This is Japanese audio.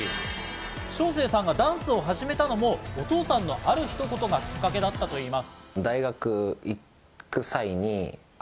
将清さんがダンスを始めたのもお父さんのあるひと言がきっかけだったといいます。